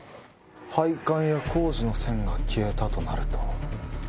配管や工事の線が消えたとなると。